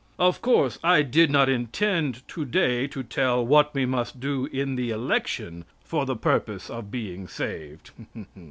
Of course I did not intend today to tell what we must do in the election for the purpose of being saved.